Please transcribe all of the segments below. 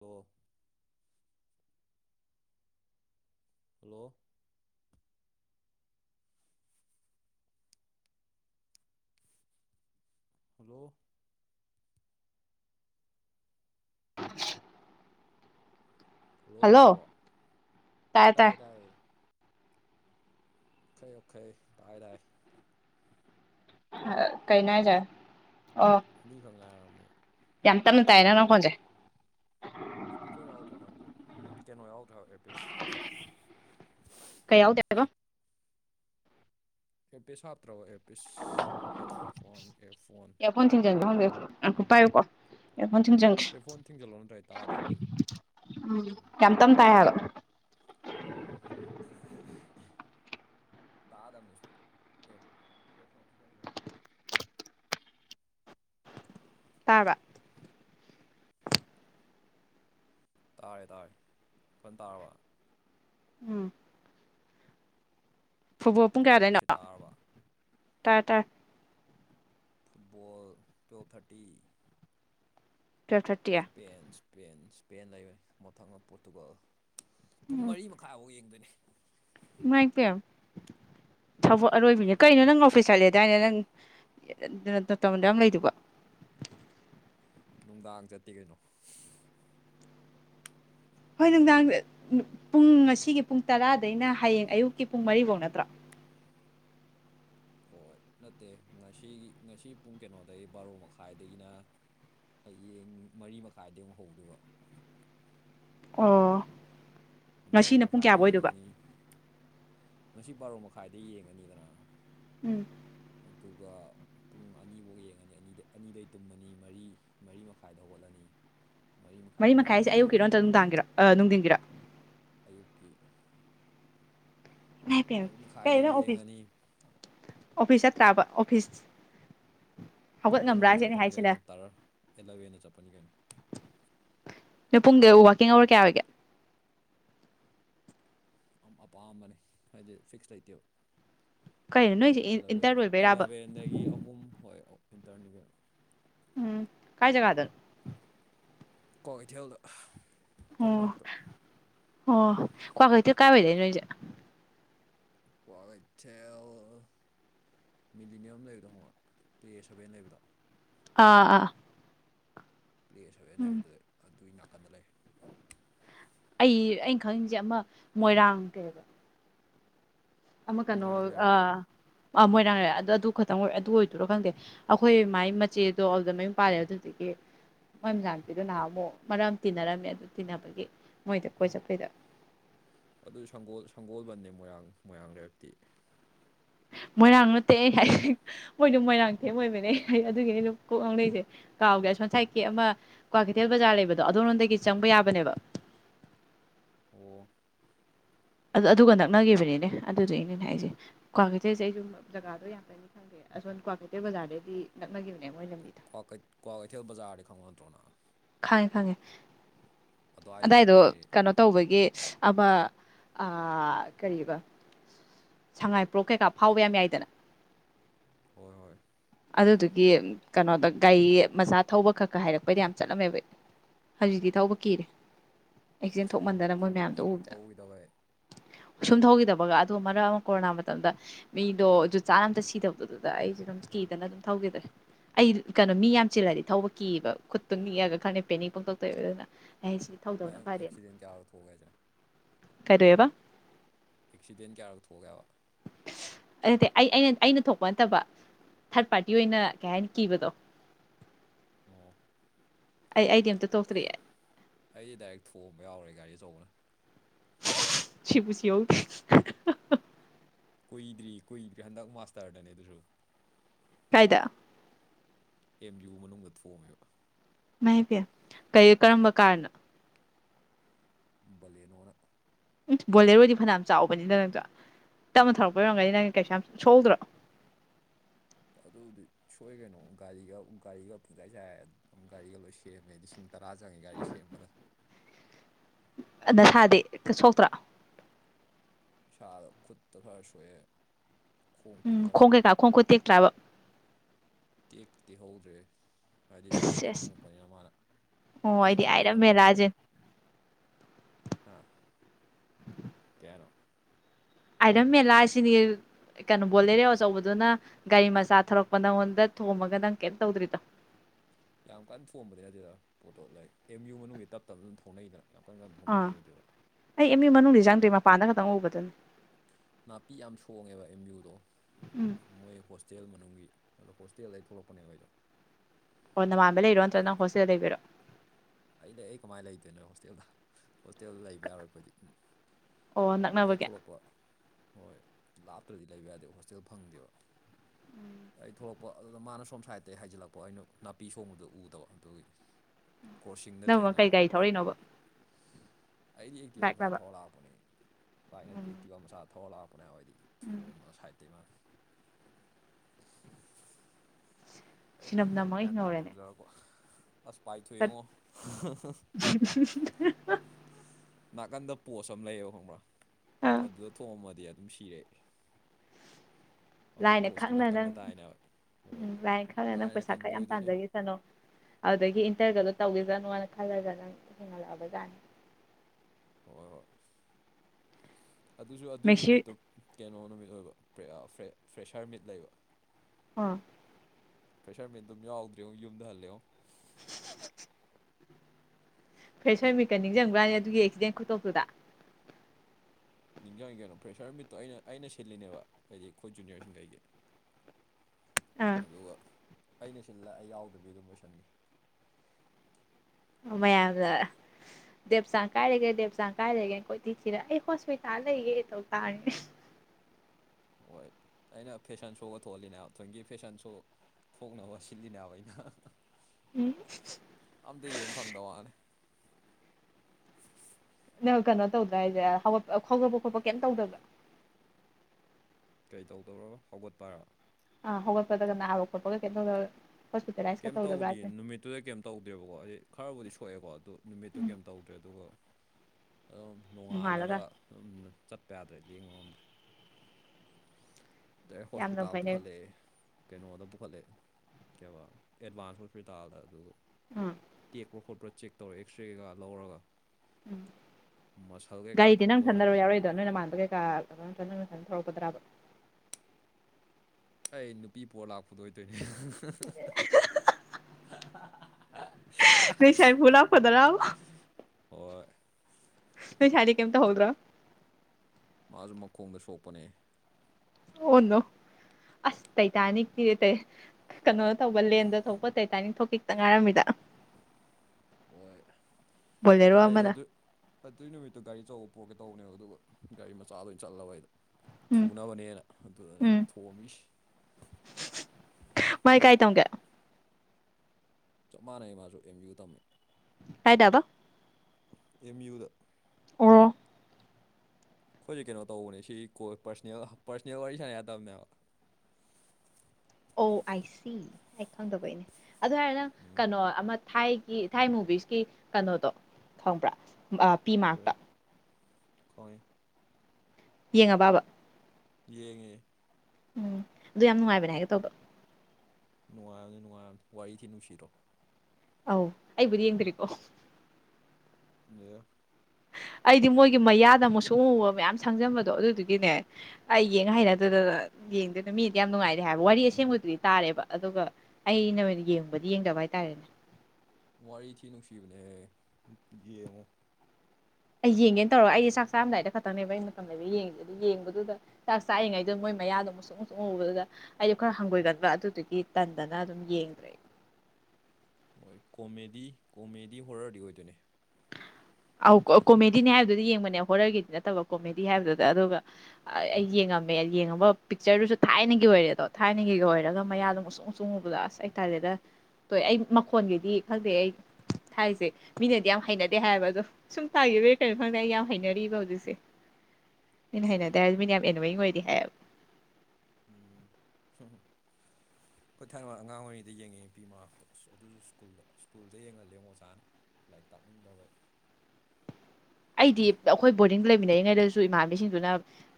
ꯗ hello hello ꯁ ꯂꯣ ꯇꯕ ꯇꯥꯏ ꯇꯥꯏ ꯑꯣꯈꯩ ꯇꯥꯏ ꯇꯥꯏ ꯀꯩꯅꯥ ꯆ ꯑꯅꯤꯈꯛ ꯉꯥꯏꯔꯕꯔꯕꯅꯦ ꯌꯥꯝ ꯇꯞꯅ ꯇꯥꯏꯅ ꯅꯪꯈꯣꯟꯁꯦ ꯏꯁꯄꯤꯀꯔ ꯌꯥꯎꯗ꯭ꯔꯣ ꯅꯪꯒꯤ ꯀꯩꯅꯣ ꯌꯥꯎꯗ꯭ꯔꯣ ꯑꯦꯄꯤꯁ ꯀꯩ ꯌꯥꯎꯗꯦ ꯍꯥꯏꯕ ꯑꯦꯔꯄꯤꯁ ꯍꯥꯞꯇ꯭ꯔꯕ ꯑꯦꯔꯄꯤꯁ ꯍꯦꯠꯐꯣꯟ ꯏꯌꯥꯔꯐꯣꯟ ꯊꯤꯡꯖꯤꯟꯒꯦ ꯈꯪꯗꯦ ꯑꯝꯈꯣ ꯄꯥꯏꯌꯨꯀꯣ ꯈꯣꯟ ꯊꯤꯟꯖꯤꯟꯁꯤꯦ ꯏꯌꯥꯔꯐꯣꯟ ꯊꯤꯡꯖꯤꯜꯂꯣ ꯅꯠꯇ꯭ꯔꯗꯤ ꯇꯥꯗꯕꯅꯦ ꯎꯝ ꯌꯥꯝꯌꯥꯝꯇꯝ ꯇꯥꯏ ꯍꯥꯏꯕ [unintelligible] [unintelligible] ꯇꯥꯗꯝꯅꯤ ꯇꯥꯕ ꯇꯥꯔꯦ ꯇꯥꯔꯦ ꯐꯅ ꯇꯥꯔꯕ ꯎꯝ ꯐꯨꯕꯣ ꯄꯨꯡ ꯀꯌꯥꯗꯩꯅꯣ ꯃꯈꯣꯟꯁꯤ ꯇꯥꯔꯕ ꯇꯥꯥꯏ ꯇꯥꯥꯏ ꯐꯨꯠꯕꯣꯜ ꯇꯨꯌꯦꯞ ꯊꯥꯔꯇꯤ ꯆꯊꯇꯌꯥ ꯁꯄꯦꯟ ꯁꯄꯦꯟ ꯂꯩꯕꯅꯤ ꯃꯊꯪꯅ ꯄꯣꯔꯇꯨꯒꯥꯜ ꯄꯨꯡ ꯃꯔꯤ ꯃꯈꯥꯏꯐꯧ ꯌꯦꯡꯗꯣꯏꯅꯦ ꯉꯥꯏꯄꯦ ꯊꯕꯛ ꯑꯔꯣꯏꯕꯤꯅꯦ ꯀꯩꯅꯣ ꯅꯪ ꯑꯣꯐꯤꯁ ꯆꯠꯂꯦ ꯑꯗꯨꯏꯅꯦ ꯅꯪ ꯇꯟꯗ ꯑꯃ ꯂꯩꯗꯨꯕ ꯅꯨꯡꯗꯥꯡ ꯆꯠꯇꯦ ꯀꯩꯅꯣ ꯍꯣꯏ ꯅꯨꯡꯗꯥꯡ ꯄꯨꯡ ꯉꯁꯤ ꯄꯨꯡ ꯇꯔꯥꯗꯩꯅ ꯍꯌꯦꯡ ꯑꯌꯨꯛꯀꯤ ꯄꯨꯡ ꯃꯔꯤꯐꯧ ꯅꯠꯇ꯭ꯔꯣ ꯍꯣꯏ ꯅꯠꯇꯦ ꯉꯁꯤꯒꯤ ꯉꯁꯤ ꯄꯨꯡ ꯀꯩꯅꯣꯗꯒꯤ ꯕꯥꯔꯣ ꯃꯈꯥꯏꯗꯒꯤꯅ ꯍꯌꯦꯡ ꯃꯔꯤ ꯃꯈꯥꯏꯗꯒꯤ ꯑꯃꯨꯛ ꯍꯧꯗꯣꯏꯕ ꯑꯣ ꯕꯥꯔꯣ ꯉꯁꯤꯅ ꯄꯨꯡ ꯃꯈꯥꯏꯗ ꯀꯌꯥꯕꯧ ꯑꯣꯏꯗꯣꯏꯕ ꯌꯦꯡꯉꯅꯤ ꯉꯁꯤ ꯕꯥꯔꯣ ꯃꯈꯥꯏꯗ ꯌꯦꯡꯉꯅꯤꯗꯅ ꯎꯝ ꯑꯗꯨꯒ ꯄꯨꯡ ꯑꯅꯤꯐꯧ ꯌꯦꯡꯉꯅꯤ ꯑꯅꯤꯗ ꯑꯅꯤꯗꯩ ꯇꯨꯝꯃꯅꯤ ꯃꯔꯤ ꯃꯔꯤ ꯃꯈꯥꯏꯗ ꯍꯧꯒꯠꯂꯅꯤ ꯃꯔꯤ ꯃꯈꯥꯏꯗꯩ ꯑꯃꯨꯛ ꯃꯈꯥꯏꯁꯦ ꯑꯌꯨꯛꯀꯤꯔꯣ ꯌꯦꯡꯉꯅꯤ ꯅꯇ꯭ꯔ ꯅꯨꯡꯗꯥꯡꯒꯤꯔ ꯅꯨꯡꯊꯤꯟꯒꯤꯔ ꯑꯌꯨꯛꯀꯤ ꯉ ꯄ ꯃꯔꯤ ꯃꯈꯥꯏꯗ ꯀꯩꯗ ꯑꯣꯐꯤꯁ ꯌꯦꯡꯉꯅꯤ ꯑꯣꯐꯤꯁ ꯇ꯭ꯔꯥꯕ ꯑꯣꯐꯤꯁꯤꯁ ꯄꯨꯡ ꯀꯩꯅꯣꯗ ꯆꯠꯄꯅꯤ ꯀꯩꯅꯣ ꯇꯥꯔꯥ ꯑꯦꯂꯕꯦꯟꯗ ꯆꯠꯄꯅꯤ ꯀꯩꯅꯣ ꯃꯄꯨꯡꯗ ꯋꯥꯀꯤꯡ ꯑꯋꯥꯔ ꯀꯌꯥ ꯑꯣꯏꯒꯦ ꯑꯄꯥꯝꯕꯅꯤ ꯍꯥꯏꯗꯤ ꯐꯤꯛꯁ ꯂꯩꯇꯦꯕ ꯑ ꯀꯩꯅꯣ ꯅꯣꯏꯁꯦ ꯄꯨꯡ ꯑꯦꯂꯚꯦꯟ ꯏꯟꯇꯔ ꯑꯣꯏꯕꯩꯔꯥꯕ ꯑꯦꯂꯚꯦꯟꯗꯒꯤ ꯑꯍꯨꯝ ꯍꯣꯏ ꯏꯟꯇꯔꯅꯤ ꯀꯩꯅꯣ ꯎꯝ ꯀꯥꯏꯖꯒꯗ ꯀ꯭ꯋꯥꯀꯩꯊꯦꯜꯗ ꯈꯨꯝꯅꯥꯛꯇ ꯀꯈ ꯀꯥꯏ ꯑꯣꯏꯗꯖ ꯀ ꯏꯆꯦ ꯑꯣ ꯃꯤꯂꯤꯅꯤꯌꯝ ꯂꯩꯕꯗꯣ ꯍꯣꯡ ꯇꯨ ꯑꯦ ꯁꯚꯦꯟ ꯂꯩꯕꯗꯣ ꯑꯥ ꯑꯥ ꯄ꯭ꯂꯦꯁ ꯍꯅ ꯎꯝ ꯍꯥꯏꯕꯗ ꯑꯗꯨꯒꯤ ꯅꯥꯀꯟꯗ ꯂꯩ ꯑꯩ ꯑꯩꯅ ꯈꯪꯅꯤꯡꯤꯁꯦ ꯑꯃ ꯃꯣꯏꯔꯥꯡ ꯀꯩꯕ ꯑꯃꯃ ꯀꯩꯅꯣ ꯃꯣꯏꯔꯥꯡ ꯑ ꯂꯩꯔꯛ ꯑ ꯃꯣꯏꯔꯥꯡ ꯂꯩꯔꯦ ꯑꯗꯨꯗ ꯑꯗꯨ ꯈꯛꯇꯪ ꯑꯣꯏ ꯑꯗꯨ ꯑꯣꯏꯗꯣꯏꯔꯣ ꯈꯪꯗꯦ ꯑꯩꯈꯣꯏ ꯃꯥꯏ ꯃꯆꯦꯗꯣ ꯑꯗꯨꯗ ꯃꯌꯨꯝ ꯄꯥꯜꯂꯦ ꯑꯗꯨꯗꯒꯤ ꯃꯣꯏ ꯃꯁꯥꯡ ꯅꯨꯨꯄꯤꯗꯨꯣ ꯅꯍꯥꯟ ꯑꯃꯨꯛ ꯃꯔꯝ ꯇꯤꯟꯅꯔꯝꯃꯦ ꯑꯗꯨ ꯇꯤꯟꯅꯕꯒꯤ ꯃꯣꯏꯗ ꯀꯣꯏ ꯆꯠꯄꯩꯗ ꯑꯗꯨꯣ ꯁꯪꯒꯣꯜꯕꯟꯅꯤꯦ ꯃꯣꯏꯔꯥꯡ ꯃꯣꯏꯔꯥꯡ ꯂꯩꯔꯛꯇꯤ ꯃꯣꯏꯔꯥꯡ ꯅꯠꯇꯦ ꯑꯩ ꯃꯣꯏꯗꯨ ꯃꯣꯏꯔꯥꯡ ꯊꯦꯝ ꯑꯣꯏꯕꯅꯦ ꯑꯩ ꯑꯗꯨꯒꯤꯅꯦ ꯑꯗꯨ ꯀꯣꯛ ꯉꯥꯡꯅꯩꯁꯦ ꯀ ꯣꯝ ꯑꯃ꯭ꯋꯥ ꯀꯩꯊꯦꯜ ꯕꯖꯥꯔ ꯂꯩꯕꯗꯣ ꯑꯗꯣꯣꯗꯒꯤ ꯆꯪꯕ ꯌꯥꯕꯅꯦꯕ ꯑꯣ ꯑꯗꯨ ꯑꯗꯨꯒ ꯅꯛꯅꯈꯤꯕꯅꯤꯅꯦ ꯑꯗꯨꯗꯤ ꯑꯩꯅꯅꯦ ꯍꯥꯏꯁꯦ ꯀ꯭ꯋꯥ ꯀꯩꯊꯩꯁꯦ ꯑꯩꯁꯨ ꯖꯒꯥꯗꯣ ꯌꯥꯝ ꯀꯅꯤ ꯈꯪꯒꯦ ꯑꯁꯣꯝ ꯀ꯭ꯋꯥꯀꯩꯇꯩ ꯕꯖꯥꯔꯗꯩ ꯅꯛꯅꯈꯤꯕꯅꯦ ꯃꯣꯏꯅ ꯀ꯭ ꯀꯩ ꯀ꯭ꯋꯥ ꯀꯩꯊꯦꯜ ꯖꯥꯔꯗꯤ ꯈꯪꯉꯣ ꯅꯠꯇ꯭ꯔꯣꯅ ꯈꯥꯡꯉꯦ ꯈꯥꯡꯉꯦ ꯑꯗꯨꯋꯥꯏꯗ ꯑꯗꯨꯝ ꯑꯗꯥꯏꯗꯣ ꯂꯩꯔꯤ ꯀꯩꯅꯣ ꯇꯧꯕꯒꯤ ꯑꯕ ꯑꯥ ꯀꯔꯤꯕ ꯁꯉꯥꯏꯄ꯭ꯔꯣꯛ ꯀꯩꯀꯥ ꯐꯥꯎꯕꯦ ꯌꯥꯝ ꯌꯥꯏꯗꯅ ꯍꯣꯏ ꯍꯣꯏ ꯑꯗꯨꯗꯨꯒꯤ ꯀꯩꯅꯣꯗ ꯒꯥꯔꯤ ꯃꯆꯥ ꯊꯧꯕ ꯈꯛꯀ ꯍꯥꯏꯔꯛꯄꯩꯗ ꯌꯥꯝ ꯆꯠꯂꯝꯃꯦꯕ ꯍꯧꯖꯤꯛꯇꯤ ꯊꯧꯕ ꯀꯤꯔꯦ ꯑꯦꯛꯁꯤꯗꯦꯟ ꯊꯣꯛꯃꯟꯗꯅ ꯃꯣꯏ ꯁꯨꯝ ꯃꯌꯥꯝꯗꯣ ꯁꯨꯝ ꯎꯕꯗ ꯊꯧꯈꯤꯗꯕꯩ ꯁꯨꯝ ꯊꯧꯈꯤꯗꯕ ꯃꯔꯛ ꯀꯣꯔꯣꯅꯥ ꯃꯇꯝꯗ ꯃꯤꯣ ꯆꯥꯗꯕꯗꯨ ꯑꯩꯁꯨ ꯑꯗꯨꯝ ꯀꯤꯅ ꯑꯗꯨꯝ ꯑꯩ ꯀꯩꯅꯣ ꯃꯤ ꯌꯥꯝ ꯆꯤꯜꯂꯗꯤ ꯊꯧꯕ ꯀꯤꯑꯕ ꯃꯤ ꯌꯥꯒ ꯈꯪꯅ ꯄꯦꯅꯤ ꯄꯪꯊꯣꯛꯇꯣꯏꯗꯅ ꯃ ꯏꯁꯤꯗꯅ ꯆꯥꯒ ꯊꯒ ꯆ ꯀꯔꯤꯕ ꯑꯦꯛꯁꯤꯗꯦꯟ ꯀꯌꯥꯔꯛ ꯊꯣꯛꯒꯦ ꯍꯥꯏꯕ ꯑꯗꯨ ꯅꯠꯇꯦ ꯑꯩꯩꯅ ꯑꯩꯅ ꯊꯣꯛꯄ ꯅꯠꯇꯕ ꯊꯥꯔꯠ ꯄꯥꯔꯇꯤ ꯑꯣꯏꯅ ꯀꯩ ꯍꯥꯏꯅꯤ ꯀꯤꯕꯗꯣ ꯑꯣ ꯑꯩ ꯑꯩꯗꯤꯦꯝ ꯑꯩ ꯑꯩꯗꯤ ꯗꯥꯏꯔꯦꯛ ꯊꯣꯡꯑꯝꯕ ꯌꯥꯎꯔꯦ ꯒꯥꯔꯤ ꯑꯆꯧꯕꯅ ꯁꯤꯄꯨꯁꯤ ꯌꯧ ꯀꯨꯏꯗ꯭ꯔꯤ ꯀꯨꯏꯗ꯭ꯔꯤ ꯍꯟꯗꯛ ꯃꯥꯁꯇꯔꯗꯅꯦ ꯑꯗꯨꯁꯨ ꯀꯥꯏꯗ ꯑꯦꯝ ꯌꯨ ꯃꯅꯨꯡꯗ ꯊꯣꯡꯑꯝꯃꯦꯕ ꯃꯕ ꯀ ꯀꯔꯝꯕ ꯀꯥꯔꯅ ꯕꯂꯦꯅꯣꯅ ꯎ ꯕꯣꯂꯔꯨꯗꯤ ꯐꯅꯌꯥꯝꯅ ꯆꯥꯎꯕꯅꯤꯅ ꯅꯪꯁꯨ ꯇꯞꯅ ꯊꯧꯔꯛꯄ ꯑꯣꯏꯔꯝꯒꯅꯤ ꯅꯪ ꯀꯩꯁꯨ ꯌꯥꯝ ꯁꯣꯛꯎꯗ꯭ꯔꯣ [unintelligible] ꯑꯗꯨꯗꯤ ꯁꯣꯏ ꯀꯩꯅꯣ ꯒꯥꯔꯤꯒꯛ ꯒꯥꯔꯤꯒ ꯄꯨꯡꯆꯥꯏ ꯆꯥꯏꯔꯦꯝ ꯒꯥꯔꯤꯒ ꯂꯣꯏ ꯁꯦꯝꯃꯦ ꯂꯤꯁꯤꯡ ꯇꯔꯥ ꯆꯪꯉꯤ ꯒꯥꯔꯤ ꯁꯦꯝꯕꯗ ꯅꯁꯥꯗꯤ ꯁꯣꯛꯇ꯭ꯔꯥ ꯏꯁꯗ ꯈꯨꯠꯇ ꯈꯔ ꯁꯣꯛꯑꯦ ꯈꯣꯡ ꯈꯨꯠ ꯎꯝ ꯈꯔ ꯈꯣꯡ ꯁꯣꯛꯑꯦ ꯀꯩꯀꯥ ꯈꯣꯡ ꯈꯨꯠ ꯇꯦꯛꯇ꯭ꯔꯕ ꯇꯦꯛꯇꯛꯇꯤ ꯍꯧꯗ꯭ꯔꯦ ꯍꯥꯏꯕꯗꯤ ꯁꯥꯏꯗꯇꯩꯒꯤ ꯁꯦꯁ ꯊꯣꯉꯛꯄꯅꯤꯅ ꯃꯥꯅ ꯑꯣ ꯗꯥꯏꯔꯦꯛ ꯑꯩꯗꯤ ꯑꯥꯏꯔꯟ ꯊꯣꯝꯖꯤꯟꯅꯕ ꯅꯠꯇꯦꯕ ꯃꯦꯂꯥꯁꯦ ꯑ ꯇꯔꯣ ꯑꯗꯝꯝ ꯂꯁꯤꯅꯤ ꯀꯩꯅꯣ ꯕꯣꯜ ꯂꯩꯔꯦ ꯑꯆꯧꯕꯗꯨꯅ ꯒꯥꯔꯤ ꯃꯆꯥ ꯊꯧꯔꯛꯄ ꯅꯪꯉꯣꯟꯗ ꯊꯣꯝꯃꯒ ꯅꯪ ꯀꯩꯝ ꯇꯧꯗ꯭ꯔꯤꯗꯣ ꯌꯥꯝ ꯀꯟꯅ ꯊꯣꯡꯝꯕꯅꯤꯅ ꯑꯗꯨꯗ ꯄꯣꯠꯇꯣ ꯂꯥꯏꯔꯤꯛ ꯑꯦꯝ ꯌꯨ ꯃꯅꯨꯡꯒꯤ ꯇꯞ ꯇꯞꯅ ꯑꯗꯨꯝ ꯊꯧꯅꯩꯗꯅ ꯌꯥꯝ ꯀꯟꯅ ꯀꯟꯅ ꯑꯥ ꯊꯧꯅꯕꯗꯤ ꯑꯣꯏꯗꯦꯕ ꯑꯩ ꯑꯦꯝꯃꯤ ꯃꯅꯨꯡꯗꯗꯤ ꯆꯪꯗꯣꯏ ꯑꯗꯣ ꯃꯄꯥꯟꯗ ꯈꯛꯇꯪ ꯎꯕꯗꯨꯅꯤ ꯅꯥꯄꯤ ꯌꯥꯝ ꯁꯣꯡꯉꯦꯕ ꯑꯦꯝ ꯌꯨꯗꯣ ꯎꯝ ꯃꯣꯏ ꯍꯣꯁꯇꯦꯜ ꯃꯅꯨꯡꯒꯤ ꯑꯗꯣ ꯍꯣꯁꯇꯦꯜꯗ ꯑꯩ ꯊꯣꯛꯂꯛꯄꯅꯦ ꯑꯩꯣꯏꯗꯣ ꯑꯣ ꯃꯥꯦ ꯂꯩ ꯏꯔꯣꯟ ꯅꯪ ꯍꯣꯁꯗ ꯂꯩꯕꯕꯤꯔꯣ ꯑ ꯂꯩ ꯑꯩ ꯀꯃꯥꯏ ꯂꯩꯗ ꯍꯣꯁꯇꯦꯜꯗ ꯍꯣꯁꯇꯦꯜ ꯂꯩꯕ ꯌꯥꯔꯣꯏ ꯑꯩꯈꯣꯏꯗꯤ ꯑꯣ ꯑꯗꯨꯗꯏ ꯅꯛꯅꯕꯒꯤ ꯊꯣꯛꯂꯛꯄ ꯍꯣꯏ ꯂꯥꯞꯇ꯭ꯔꯗꯤ ꯂꯩꯕ ꯌꯥꯗꯦ ꯍꯣꯁꯇꯦꯜ ꯐꯪꯗꯦꯕ ꯑꯩ ꯊꯣꯛꯂꯛꯄ ꯑꯗꯨꯗ ꯃꯥꯅ ꯁꯣꯝ ꯁꯥꯏꯗꯇꯩꯒꯤ ꯍꯖꯤꯜꯂꯛꯄ ꯑꯩꯅ ꯅꯥꯄꯤ ꯁꯣꯡꯕꯗ ꯎꯗꯕ ꯑꯗꯨꯒꯤ [unintelligible] [inaudible] ꯅꯪꯃ ꯊꯦꯡꯅꯕ ꯀꯩ ꯀꯔꯤ ꯄꯣꯠꯂꯣ ꯊꯧꯔꯛꯏꯅꯣꯕ ꯑꯩꯗꯤ ꯌꯦꯛꯇꯤꯕ ꯃꯆꯥ ꯕꯥꯏꯛꯂꯕ ꯊꯣꯡꯍ ꯂꯥꯛꯄꯅꯦ ꯥꯏꯅ ꯎꯝ ꯇꯛꯇꯤꯕ ꯃꯆꯥ ꯊ ꯊꯣꯛ ꯂꯥꯛꯄ ꯊꯣꯡꯝꯕ ꯁꯋꯥꯠꯇꯒꯤ ꯃꯥ ꯑꯩ ꯁꯤꯅꯝ ꯇꯞ ꯇꯞꯅ ꯅꯝꯃꯒ ꯒ꯭ꯌꯥꯟ ꯇꯥꯅ ꯍꯤꯡꯍꯧꯔꯦꯅꯦ ꯊꯧꯖꯔꯀꯣ ꯑꯁ ꯆꯠ ꯄꯥꯏꯊꯑꯉꯣ ꯅꯥꯀꯟꯗ ꯄꯣꯁ ꯑꯃ ꯂꯩꯌꯦꯕ ꯈꯪꯕ꯭ꯔꯥ ꯑꯗꯨꯗ ꯊꯣꯛꯣꯡꯑꯝꯃꯗꯤ ꯑꯗꯨꯝ ꯁꯤꯔꯦꯦ ꯂꯥꯏꯅ ꯈꯪꯅ ꯅꯪ ꯍꯣꯏ ꯎꯝ ꯂꯥꯏꯅ ꯈꯪꯔꯦ ꯅꯪ ꯄꯩꯁꯥ ꯈꯔ ꯀꯟꯕ ꯌꯥꯝ ꯑꯣꯏꯗꯣꯏꯅꯦ ꯇꯥꯟꯖꯒꯦ ꯆꯅꯣ ꯑꯗꯨꯗꯒꯤ ꯀꯇꯔꯒꯗꯣ ꯇꯧꯈꯤꯁꯅꯣꯅ ꯈꯜꯂꯒ ꯅꯪ ꯍꯦꯟꯒꯠꯂꯛꯑꯕꯖꯠꯅꯤ ꯍꯣꯏ ꯍꯣꯏ ꯑꯗꯨꯁꯨ ꯑꯗꯨꯏ ꯃꯦꯛꯁꯤ ꯅꯨꯃꯤꯠꯇꯣ ꯀꯦꯩꯅꯣ ꯅꯨꯃꯤꯠ ꯑꯣꯏꯕ ꯐ꯭ꯔꯦꯁꯥꯔ ꯃꯤꯠ ꯂꯩꯕ ꯑꯥ [inaudible] ꯄꯩꯁꯥ ꯃꯤ ꯑꯗꯨꯝ ꯌꯥꯎꯗ꯭ꯦꯉꯣꯌꯨꯝꯗ ꯍꯜꯂꯣ [unintelligible] [inaudible] ꯐꯦꯁꯣꯏ ꯃꯤꯀ ꯅꯤꯡꯁꯤꯡꯕ꯭ꯔꯥꯅꯤ ꯑꯗꯨꯒꯤ ꯑꯦꯛꯁꯤꯗꯦꯟ ꯈꯨꯇꯣꯛꯇꯨꯗ ꯅꯤꯡꯖ ꯀꯩꯅꯣ ꯄ꯭ꯔꯦꯁꯥꯔ ꯃꯤꯠꯇꯣ ꯑꯩꯅ ꯑꯩꯅ ꯁꯤꯜꯂꯤꯅꯦꯕ ꯍꯥꯏꯗꯤ ꯑꯩꯈꯣꯏ ꯖꯨꯅꯤꯌꯔꯁꯤꯡꯈꯩꯒꯤ ꯑꯥ ꯑꯗꯨꯒ ꯑꯩꯅ ꯁꯤꯜꯂ ꯑꯩ ꯌꯥꯎꯗꯕꯤ ꯑꯗꯨꯝ ꯂꯣꯏꯁꯤꯟꯒ꯭ꯔꯦ [inaudible] ꯁꯃ ꯌꯥ ꯍꯥꯏꯒ ꯗꯦꯞꯆꯥꯡ ꯀꯥꯏꯔꯒꯦ ꯗꯦꯞꯆꯥꯡ ꯀꯥꯏꯔꯒꯦꯈꯣꯏꯗꯤꯤꯊꯤꯔ ꯑꯩ ꯍꯣꯁꯄꯤꯇꯥꯜ ꯂꯩꯒꯦ ꯇꯧ ꯇꯥꯔꯔꯤ [unintelligible] [inaudible] ꯍꯣꯏ ꯑꯩꯅ ꯐꯦꯁꯟ ꯁꯣꯒ ꯊꯣꯛꯍꯜꯂꯤꯅꯦꯕ ꯊꯣꯏꯒꯤ ꯐꯦꯁꯟ ꯁꯣ ꯊꯣꯛꯅꯕ ꯁꯤꯜꯂꯤꯅꯦꯕ ꯑꯩꯅ ꯎꯝ ꯑꯝꯇ ꯌꯦꯡ ꯐꯪꯗ ꯋꯥꯅꯤ ꯀꯩꯅꯣ ꯇꯧꯗ꯭ꯔꯥ ꯍꯥꯏꯁꯦ ꯍꯧꯒꯠꯄ ꯈꯥꯎꯒꯠꯄ ꯈꯣꯠꯄ ꯀꯩꯝ ꯇꯧꯗꯕ ꯀꯩꯇꯧꯗꯔꯣ ꯍꯧꯒꯠꯄꯔ ꯑ ꯍꯣꯞꯄꯗꯒ ꯅꯅꯥꯒꯣꯄꯒ ꯀꯦꯣꯗꯦ ꯀꯩꯝ ꯇꯧꯗꯤ ꯅꯨꯃꯤꯠꯇꯨꯗ ꯀꯩꯝ ꯇꯧꯗꯦꯕꯀꯣ ꯑꯩ ꯈꯔꯕꯨꯗꯤ ꯁꯣꯛꯑꯦꯀꯣ ꯑꯗꯨ ꯅꯨꯃꯤꯠꯇꯨ ꯎꯝ ꯀꯩꯝ ꯇꯧꯗ꯭ꯔꯦ ꯑꯗꯨꯒ ꯑꯗꯨꯝ ꯅꯣꯡꯉꯥꯜꯂꯒ ꯑꯗꯨꯝ ꯆꯠꯄ ꯌꯥꯗ꯭ꯔꯦ ꯂꯦꯡꯕ ꯉꯝꯗ꯭ꯔꯦ ꯑꯗꯩ ꯌꯥꯝꯅ ꯍꯣꯁꯄꯤꯇꯥꯜ ꯐꯩꯅꯦ ꯄꯨꯈꯠꯂꯛꯑꯦ ꯀꯩꯅꯣꯗ ꯄꯨꯈꯠꯂꯛꯑꯦ ꯀꯩꯕꯥ ꯑꯦꯗꯚꯥꯟꯁ ꯍꯣꯁꯄꯤꯇꯥꯜꯗ ꯑꯗꯨꯒ ꯎꯝ ꯇꯦꯛꯄ꯭ꯔꯥ ꯈꯣꯠꯄ꯭ꯔꯥ ꯆꯦꯛ ꯇꯧꯔ ꯑꯦꯛꯁꯔꯦꯒ ꯂꯧꯔꯒ ꯎꯝ ꯃꯁꯜ ꯀꯩꯀꯥ ꯒꯥꯔꯤꯗꯤ ꯇꯠꯄ ꯅꯪ ꯑꯣꯏꯔꯝꯃꯦ ꯁꯟꯅꯔꯣꯏ ꯌꯥꯎꯔꯣꯏꯏꯗꯣ ꯅꯣꯏ ꯅ ꯃꯥꯟꯕꯗ ꯀꯩꯀꯥꯠꯇ ꯅꯪꯅ ꯁꯟ ꯊꯧꯔꯛꯄ ꯈꯨꯗ꯭ꯔꯕ [inaudible] ꯑꯩ ꯅꯨꯄꯤ ꯄꯣꯔ ꯂꯥꯛꯄꯗꯣ ꯑꯣꯏꯗꯣꯏꯅꯦ ꯁꯥꯏ ꯐꯨꯂꯄꯗꯔ [inaudible] ꯍꯣꯏ ꯆꯗ ꯀꯦꯝꯇ ꯍꯣꯗ꯭ꯔꯥ ꯑꯥꯖ ꯃꯈꯣꯡꯗ ꯁꯣꯛꯄꯅꯦ ꯑꯣꯅꯣ ꯑꯁ ꯇꯥꯏ ꯇ ꯑꯅꯤ ꯀꯔ ꯇꯦ ꯀꯩꯅꯣ ꯇꯧꯕ ꯂꯦꯟꯗ ꯊꯣꯛꯄꯣꯠ ꯆꯩꯩꯇꯥꯥꯏꯅꯤꯡꯊꯧꯀꯤꯛꯇ ꯉꯥꯏꯔꯝꯃꯤꯗ [unintelligible] [inaudible] ꯕꯣꯂꯦꯔꯣ ꯑꯩꯗꯣ ꯑꯃꯅ ꯑꯗꯨ ꯑꯗꯨꯏ ꯅꯨꯃꯤꯠꯇꯨ ꯒꯥꯔꯤ ꯆ ꯄꯣꯛꯀꯦ ꯇꯧꯕꯅꯦꯕ ꯑꯗꯨꯒ ꯒꯥꯔꯤ ꯃꯆꯥ ꯂꯣꯏ ꯆꯠꯂꯕ ꯍꯥꯏꯗ ꯎꯝ ꯊꯨꯅꯕꯅꯦꯅ ꯑꯗꯨ ꯎꯝ ꯊꯣꯑꯝꯃꯤꯁꯤ ꯃꯥꯥꯏ ꯀꯥꯏ ꯇꯪꯒꯦ ꯆꯞ ꯃꯥꯟꯅꯩ ꯃꯥꯁꯨ ꯑꯦꯦꯝ ꯌꯌꯨ ꯇꯝꯃꯦ ꯍꯥꯏꯗꯕ ꯑꯦꯝ ꯌꯨꯗ ꯑꯣ ꯑꯩꯈꯣꯏꯁꯦ ꯀꯩꯅꯣ ꯇꯧꯕꯅꯦ ꯁꯤꯣꯏ ꯄꯔꯁꯅꯦꯜ ꯄꯔꯁꯣꯅꯦꯜ ꯋꯥꯔꯤ ꯁꯥꯟꯅ ꯌꯥ ꯇꯕꯃꯦꯕ [inaudible] ꯑꯣ ꯑꯥꯏ ꯁꯤ ꯑꯩ ꯈꯪꯗꯕꯩꯅꯦ ꯑꯗꯨ ꯍꯥꯏꯔꯅ ꯎꯝ ꯀꯩꯅꯣ ꯑꯃ ꯊꯥꯏꯒꯤ ꯊꯥꯏ ꯃꯨꯚꯤꯁꯀꯤ ꯀꯩꯅꯣꯗꯣ ꯈꯪꯕ꯭ꯔꯥ ꯄꯤꯃꯥꯛꯔꯛꯇ ꯑꯩꯣꯏ ꯌꯦꯉ ꯥꯕ ꯌꯦꯡꯉꯦ ꯎꯝ ꯑꯗꯨ ꯌꯥꯝ ꯅꯨꯡꯉꯥꯏꯕꯅꯦ ꯍꯥꯏꯒꯦ ꯇꯧꯕ ꯅꯨꯡꯉꯥꯏꯔꯝꯅꯤ ꯅꯨꯡꯉꯥꯏꯔꯕꯅꯤ ꯋꯥꯔꯤ ꯊ ꯅꯨꯡꯁꯤꯔꯣ ꯑꯧ ꯑꯩꯕꯨꯗꯤ ꯌꯦꯡꯗ꯭ꯔꯤꯀꯣ ꯌꯦ ꯑꯩꯗꯤ ꯃꯣꯏꯒꯤ ꯃꯌꯥꯗ ꯃꯁꯁꯨ ꯃꯨꯕ ꯃꯌꯥꯝ ꯁꯪꯖꯟꯕꯗꯣ ꯑꯗꯨꯗꯨꯒꯤꯅꯦ ꯑꯩ ꯌꯦꯡꯉ ꯎꯝ ꯍꯩꯅꯗꯨꯗꯨꯗ ꯌꯦꯡꯗꯅ ꯃꯤꯗꯤ ꯌꯥꯝ ꯅꯨꯡꯉꯥꯏꯇꯦ ꯍꯥꯏꯕ ꯋꯥꯔꯤ ꯑꯁꯦꯡꯕꯗꯨꯗꯤ ꯇꯥꯔꯦꯕ ꯑꯗꯨꯒ ꯑꯩꯅ ꯌꯦꯡꯕꯗꯤ ꯌꯦꯡꯗꯕ ꯍꯥꯏꯇꯥꯔꯦꯅꯦ ꯋꯥꯔꯤ ꯊꯤ ꯅꯨꯡꯁꯤꯕꯅꯦ ꯌꯦꯡꯉꯨ ꯑꯩ ꯌꯦꯡꯒꯦꯅ ꯇꯧꯔꯒ ꯑꯩꯁꯦ ꯆꯥꯛ ꯆꯥꯝꯗꯥꯏꯗ ꯈꯛꯇꯪꯅꯦꯕ ꯑꯩꯩꯅ ꯃꯇꯝ ꯂꯩꯕ ꯌꯦꯡꯦ ꯑꯗꯨ ꯌꯦꯡꯕꯗꯨꯗ ꯆꯥꯛ ꯆꯥ ꯌꯦꯉꯩꯗꯨꯗ ꯃꯣꯏ ꯃꯌꯥꯗꯣ ꯃꯨꯁꯨꯡꯛ ꯃꯨꯁꯛ ꯎꯕꯗꯨꯗ ꯑꯩꯗꯣ ꯈꯔ ꯍꯪꯒꯣꯏꯒꯟꯕ ꯑꯗꯨꯗꯨꯒꯤ ꯇꯟꯗꯅ ꯑꯗꯨꯝ ꯌꯦꯡꯗ꯭ꯔꯦ [inaudible] ꯍꯣꯏ ꯀꯣꯃꯦꯗꯤ ꯀꯣꯃꯦꯗꯤ ꯍꯣꯔꯔꯗꯤ ꯑꯣꯏꯗꯣꯏꯅꯤ ꯑ ꯀꯣꯃꯦꯗꯤꯅꯤ ꯍꯥꯏꯕꯗꯨꯗꯤ ꯌꯦꯡꯕꯅꯦ ꯍꯣꯔꯔꯒꯤꯗꯤ ꯅꯠꯇꯕ ꯀꯣꯃꯦꯗꯤ ꯍꯥꯏꯕꯗꯨꯗ ꯑꯗꯨꯒ ꯑꯩ ꯉꯝꯃꯦ ꯌꯦꯡꯉꯕ ꯄꯤꯛꯆꯔꯗꯨꯁꯨ ꯊꯥꯏꯅꯒꯤ ꯑꯣꯏꯔꯦ ꯑꯗꯣ ꯊꯥꯏꯅꯒꯤ ꯑꯣꯏꯔꯒ ꯃꯌꯥꯗꯣꯝ ꯑꯨꯨꯡ ꯁꯨꯡꯉꯨꯕꯗ ꯑꯁ ꯍꯥꯏꯇꯥꯔꯦ ꯑꯗꯨꯅ ꯇꯣꯏ ꯑꯩ ꯃꯈꯣꯟꯒꯤꯗꯤ ꯈꯪꯗꯦ ꯑꯩ ꯊꯥꯏꯁꯦ ꯃꯤꯅꯗꯤ ꯌꯥꯝ ꯍꯩꯅꯗꯦ ꯍꯥꯏꯕ ꯑꯗꯣ ꯁꯨꯝ ꯇꯥꯈꯤꯕꯕꯦ ꯀꯔꯤꯣ ꯈꯪꯗꯦ ꯑꯩ ꯌꯥꯝ ꯍꯅꯕ ꯍꯧꯖꯤꯛꯁꯦ ꯩꯅ ꯎꯝ ꯗꯦ ꯌꯥꯝ ꯑꯦꯅ ꯑꯣꯏꯗꯤ ꯍꯥꯏ ꯎꯝ ꯑꯩꯈꯣꯏ ꯊꯥꯏꯅꯕ ꯑꯉꯥꯡ ꯑꯣꯏꯔꯤꯩꯗ ꯌꯦꯡꯉꯤ ꯅꯨꯄꯤ ꯃꯇꯣ ꯑꯗꯨꯁꯨ ꯁ꯭ꯀꯨꯜꯗ ꯁ꯭ꯀꯨꯜꯗ ꯌꯦꯡꯍꯜꯂꯦꯨ ꯑꯣꯖꯥꯅ ꯂꯥꯏꯔꯤꯛ ꯇꯥꯛꯅꯤꯡꯗꯕ ꯑꯩꯗꯤ ꯑꯩꯈꯣꯏ ꯕꯣꯔꯗꯤꯡ ꯂꯩꯃꯤꯟꯅꯔꯤꯉꯩꯗꯁꯨ ꯏꯃꯥꯟꯕꯤꯁꯤꯡꯗꯨꯅ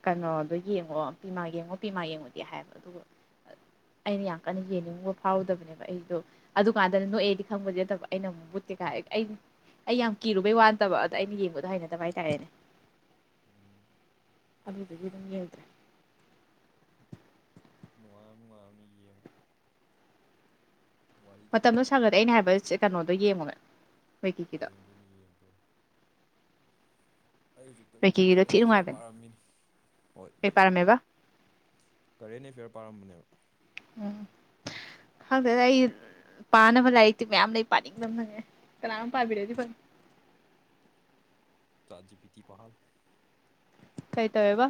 ꯀꯩꯅꯣꯗꯣ ꯌꯦꯡꯉꯣ ꯏꯃꯥ ꯌꯦꯡꯉꯣ ꯅꯨꯄꯤꯃ ꯌꯦꯡꯉꯨꯗꯦ ꯍꯥꯏꯕ ꯑꯗꯨꯒ ꯑꯩꯅ ꯌꯥꯝ ꯀꯟꯅ ꯌꯦꯡꯅꯤꯡꯉꯨꯕ ꯐꯥꯎꯔꯨꯗꯕꯅꯦꯕ ꯑꯩꯗꯣ ꯑꯗꯨꯀꯥꯟꯗꯅ ꯅꯣꯛꯑꯦꯗꯤ ꯈꯪꯕꯗꯤ ꯅꯠꯇꯕ ꯑꯩꯅ ꯑꯃꯨꯛ ꯥꯏ ꯑꯩ ꯌꯥꯝ ꯀꯤꯔꯨꯕꯩ ꯋꯥꯟꯗꯕ ꯑꯗ ꯑꯩꯅ ꯌꯦꯡꯕꯗ ꯑꯗꯨ ꯍꯥꯏꯅꯗꯕ ꯍꯥꯏꯇꯥꯔꯦꯅꯦ ꯎꯝ ꯑꯗꯨꯗꯒꯤ ꯑꯗꯨꯝ ꯌꯦꯦꯜꯗ꯭ꯔꯦ ꯅꯨꯅꯨꯡꯉ ꯅꯨꯡꯉꯅꯤ ꯌꯦ ꯃꯇꯝꯗꯣ ꯁꯪꯒꯗꯤꯦ ꯑꯩꯅ ꯍꯥꯏꯕ ꯀꯩꯅꯣꯗꯣ ꯌꯦꯡꯉꯨꯅꯦ ꯌꯦꯡꯕꯅꯤ ꯌꯦꯡꯕꯅꯤ ꯑꯩ ꯍꯧꯖꯤꯛꯇꯁꯨ ꯋꯦꯀꯤꯒꯤꯗꯣ ꯊꯤ ꯀꯔꯦꯟ ꯑꯦꯐꯤꯌꯥꯔ ꯅꯨꯡꯉꯥꯏꯕꯅꯦ ꯄꯥꯔꯝꯃꯤꯅꯤ ꯍꯣꯏ ꯀꯩ ꯌꯦꯡꯗꯣꯏꯅꯦ ꯄꯥꯔꯝꯃꯦꯕ ꯀꯔꯦꯟ ꯑꯦꯐꯤꯌꯔ ꯄꯥꯔꯝꯕꯅꯦꯕ ꯈꯪꯗꯗ ꯑꯩ ꯄꯥꯅꯕ ꯂꯥꯏꯔꯤꯛꯇꯤ ꯃꯌꯥꯝ ꯂꯩ ꯄꯥꯅꯤꯡꯗ ꯐꯪꯉꯦ ꯀꯅꯥꯝ ꯄꯥꯕꯤꯔꯗꯤ ꯐꯪ ꯆꯥꯖꯤ ꯄꯤꯇ ꯄꯍꯜ ꯀꯩ ꯇꯧꯋꯦꯕ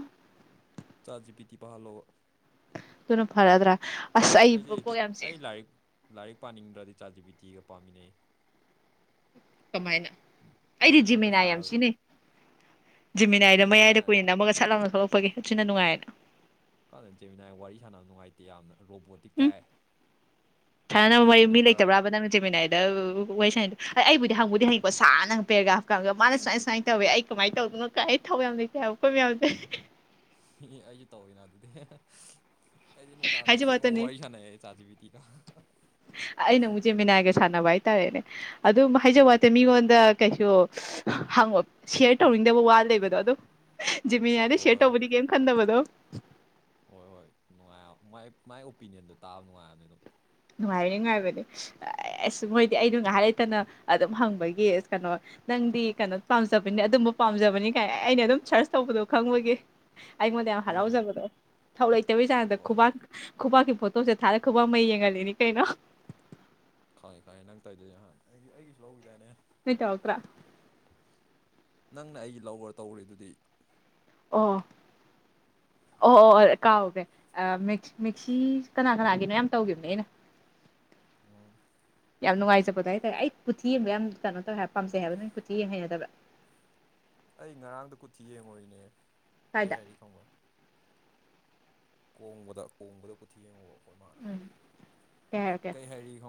ꯆꯥꯁꯤ ꯄꯤꯇꯤ ꯄꯥꯍꯜꯂꯣꯑꯣ ꯑꯗꯨꯨꯅ ꯐꯔꯗ꯭ꯔꯥ ꯑꯁ ꯑꯩꯕꯨ ꯑꯩꯗꯤ ꯄꯣ ꯌꯥꯝꯁꯦ ꯑꯩ ꯂꯥꯏꯔꯤꯛ ꯂꯥꯏꯔꯤꯛ ꯄꯥꯅꯤꯡꯗ꯭ꯔꯗꯤ ꯆꯥꯖꯕꯤꯇꯤꯒ ꯄꯥꯝꯃꯤꯟꯅꯩ ꯀꯃꯥꯏꯅ ꯑꯩꯗꯤ ꯃꯉꯣꯟꯗ ꯖꯤꯃꯤꯅꯥ ꯌꯥꯝ ꯐꯥꯏꯜ ꯁꯤꯅꯤꯩ ꯖꯤꯃꯤꯅꯥꯏꯗ ꯃꯌꯥꯏꯗ ꯖꯦꯃꯤꯅꯥꯏ ꯀꯨꯏꯅ ꯑꯃꯒ ꯁꯠꯂꯥꯎꯅ ꯊꯣꯛꯂꯛꯄꯒꯤ ꯁꯅ ꯅꯨꯡꯉꯥꯏꯌꯦꯗ ꯀꯥꯟꯅꯅ ꯆꯦꯃꯤꯅꯥ ꯋꯥꯔꯤ ꯁꯥꯟꯅꯕ ꯅꯨꯡꯉꯥꯏꯇꯦ ꯌꯥꯝꯅ ꯔꯣꯕꯣꯇꯤꯛ ꯎꯝ ꯇꯥꯏ ꯆꯥꯠ ꯖꯤ ꯄꯤ ꯁꯅꯕ ꯇꯤꯅ ꯃꯤ ꯈꯔ ꯂꯩꯇꯕ꯭ꯔꯥꯕ ꯅꯪ ꯆꯦꯃꯤꯅꯥꯏꯗ ꯋꯥꯔꯤ ꯁꯥꯏꯗ ꯑꯩꯕꯨꯗꯤ ꯍꯪꯕꯨꯗꯤ ꯍꯪꯉꯀꯣ ꯁꯥꯅꯪ ꯄꯦꯒ꯭ꯔꯥ ꯀ ꯀꯥꯡꯒ ꯃꯥꯅ ꯁꯨꯃꯥꯏ ꯁꯨꯃꯥꯏꯅ ꯇꯧꯋꯦ ꯑꯩ ꯀꯃꯥꯏꯅ ꯇꯧꯗꯅꯣ ꯑꯩ ꯊꯧ ꯌꯥꯝ ꯂꯩꯦ ꯎꯄꯝ ꯌꯥꯎꯗꯦ ꯑꯦ ꯑꯩꯁꯨ ꯇꯧꯋꯏꯅ ꯑꯗꯨꯗꯤ ꯑꯦꯗꯤ ꯅꯨ ꯗꯀ ꯍꯥꯏꯖꯕ ꯊ ꯋꯥꯇꯅꯤ ꯋꯥꯏꯁꯅꯦ ꯆꯥꯆꯕꯤꯗꯤ ꯀ ꯑꯩꯅ ꯑꯃꯨꯛ ꯖꯦꯃꯤꯅꯥꯏꯒ ꯁꯥꯟꯅꯕ ꯍꯥꯏꯇꯥꯔꯦꯅꯦ ꯑꯗꯨꯝ ꯍꯥꯏꯖꯕ ꯋꯥꯠꯇꯦ ꯃꯤꯉꯣꯟꯗ ꯀꯩꯁꯨ ꯍꯉꯦꯌꯔ ꯇꯧꯔꯤ ꯪꯗꯕ ꯋꯥ ꯂꯩꯕꯗꯣ ꯑꯗꯣ ꯖꯤꯃꯤ ꯍꯥꯏꯗ ꯁꯦꯠ ꯍꯣꯏ ꯇꯧꯕꯗꯤ ꯀꯩꯝ ꯈꯟꯗꯕꯗꯣ ꯍꯣꯏ ꯍꯣꯏ ꯅꯨꯡꯉꯥꯏ ꯃꯥꯏ ꯃꯥꯏ ꯑꯣꯄꯤꯅꯤꯌꯟꯗꯣ ꯇꯥꯕ ꯅꯨꯡꯉꯥꯏꯕꯅꯤ ꯑꯗꯨꯝ ꯅꯨꯡꯉꯥꯏꯕꯅꯤ ꯅꯨꯡꯉꯥꯏꯕꯅꯦ ꯑꯁ ꯃꯣꯏꯗꯤ ꯑꯩꯗ ꯉꯥꯏꯍꯥꯛ ꯂꯩꯇꯅ ꯑꯗꯨꯝ ꯍꯪꯕꯒꯤ ꯀꯩꯅꯣ ꯅꯪꯗꯤ ꯀꯩꯅꯣ ꯄꯥꯝꯖꯕꯅꯤ ꯑꯗꯨꯕꯨ ꯄꯥꯝꯖꯕꯅꯤ ꯀꯥꯏ ꯑꯩꯅ ꯑꯗꯨꯝ ꯁꯔꯁ ꯇꯧꯕꯗꯣ ꯈꯪꯕꯒꯤ ꯑꯩꯥꯏ ꯃꯗ ꯍꯔꯥꯎꯖꯕꯗꯣ ꯊꯧꯛ ꯂꯩꯇꯕꯔꯤ ꯆꯥꯟꯅꯗ ꯍꯣꯏ ꯈꯨꯕꯥꯛ ꯍꯣꯏ ꯈꯨꯕꯥꯛꯀꯤ ꯐꯣꯇꯣꯁꯦ ꯊꯥꯔ ꯈꯨꯕꯥꯛ ꯃꯩ ꯌꯦꯡꯉꯒ ꯅꯅꯤ ꯀꯥꯏꯅ ꯈꯥꯏ ꯈꯥꯏꯌꯦ ꯅꯪ ꯇꯥꯏꯗ ꯏꯍꯥꯟ ꯑꯩꯗꯤ ꯑꯩꯒꯤꯁꯨ ꯂꯧꯈꯤꯗꯥꯏꯅꯦ ꯅꯣꯏꯇ ꯑꯣꯇ꯭ꯔꯥ ꯅꯪꯅ ꯑꯩꯒꯤ ꯂꯧꯕ ꯇꯧꯔꯤꯗꯨꯗꯤ ꯑꯣꯐ [inaudible] ꯑꯣ ꯑꯣ ꯑꯣ ꯀꯥꯎꯒꯦ ꯃꯤꯛꯁꯤ ꯀꯅꯥ ꯀꯅꯥꯒꯤꯅꯣ ꯌꯥꯝ ꯇꯧꯈꯤꯕꯅꯦ ꯑꯩꯅ ꯎꯝ ꯌꯥꯝ ꯅꯨꯡꯉꯥꯏꯖꯕꯗꯣ ꯍꯥꯏꯇꯥꯔꯦ ꯑꯩ ꯄꯨꯊꯤ ꯌꯦꯡꯕ ꯌꯥꯝ ꯀꯩꯅꯣ ꯇꯧꯋꯦ ꯍꯥꯏ ꯄꯥꯝꯖꯩ ꯍꯥꯏꯕ ꯅ ꯄꯨꯊꯤ ꯌꯦꯡ ꯍꯩꯅꯗꯕ ꯑꯩ ꯉꯔꯥꯡꯗ ꯀꯨꯊꯤ ꯌꯦꯡꯉꯨꯔꯤꯅꯦ ꯀꯔꯤ ꯁ꯭ꯋꯥꯏꯗ ꯍꯥꯏꯔꯤ ꯈꯪꯕ꯭ꯔꯣ ꯀꯣꯡꯕꯗ ꯀꯣꯡꯕꯗꯕꯨꯊ ꯌꯦꯉꯣ ꯑꯩꯈꯣꯏ ꯃꯥꯅ ꯎꯝ ꯀꯩ ꯍꯥꯏꯔꯤ ꯈꯪꯕ